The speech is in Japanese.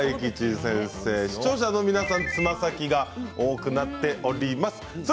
視聴者の皆さんはつま先が多くなっています。